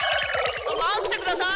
待ってください！